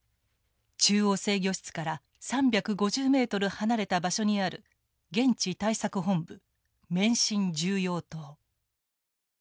中央制御室から３５０メートル離れた場所にある現地対策本部免震重要棟。